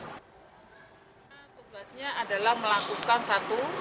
tugasnya adalah melakukan satu